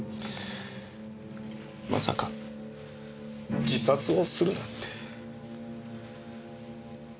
まさか自殺をするなんて。